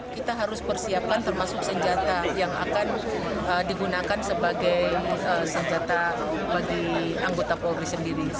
kita harus persiapkan termasuk senjata yang akan digunakan sebagai senjata bagi anggota polri sendiri